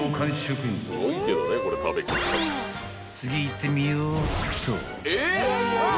［次いってみようっと］